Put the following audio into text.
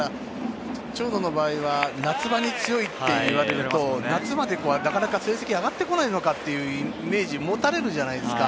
長野の場合は夏場に強いと言われると、夏まで成績上がってこないのかというイメージを持たれるじゃないですか。